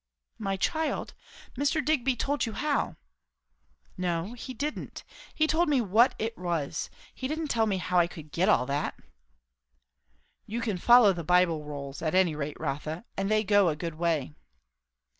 "My child, Mr. Digby told you how." "No, he didn't. He told me what it was; he didn't tell me how I could get all that." "You can follow the Bible roles, at any rate, Rotha; and they go a good way."